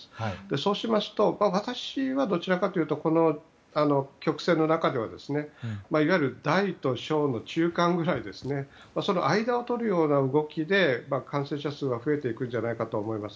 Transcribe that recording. そうしますと私はどちらかというとこの曲線の中ではいわゆる大と小の中間ぐらいその間をとるような動きで感染者数が増えていくんじゃないかと思います。